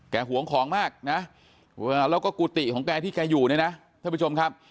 หวงของมากนะแล้วก็กุฏิของแกที่แกอยู่เนี่ยนะท่านผู้ชมครับ